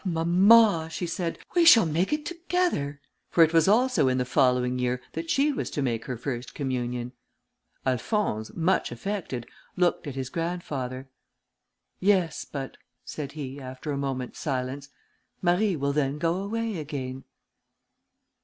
mamma," she said, "we shall make it together!" for it was also in the following year that she was to make her first communion. Alphonse, much affected, looked at his grandfather, "Yes, but," said he, after a moment's silence, "Marie will then go away again."